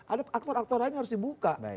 ada aktor aktor lain yang harus dibuka